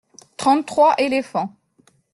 Trente-trois éléphants.